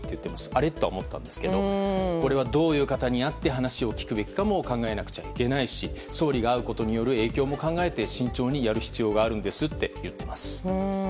あれ？とは思ったんですけどこれは、どういう方に会って話を聞くべきかも考えなくちゃいけないし総理が会うことによる影響も考えて慎重にやる必要があると言っています。